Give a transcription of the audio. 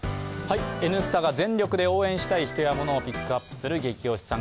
「Ｎスタ」が全力で応援したい人や物をピックアップする「ゲキ推しさん」